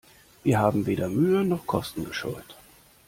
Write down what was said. Wir haben weder Mühe noch Kosten gescheut.